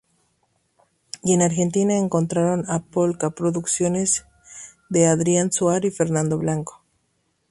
Y en Argentina, encontraron a Pol-ka Producciones de Adrián Suar y Fernando Blanco.